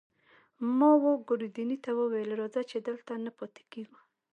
ما وه ګوردیني ته وویل: راځه، چې دلته نه پاتې کېږو.